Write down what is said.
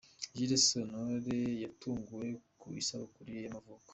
Jules Sentore yatunguwe ku isabukuru ye y'amavuko.